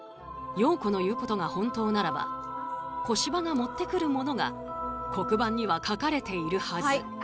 ＹＯＫＯのいうことが本当ならば小芝が持ってくるものが黒板には書かれているはず。